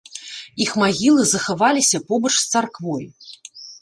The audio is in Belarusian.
Іх магілы захаваліся побач з царквой.